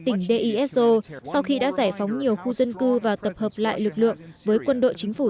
tỉnh deiso sau khi đã giải phóng nhiều khu dân cư và tập hợp lại lực lượng với quân đội chính phủ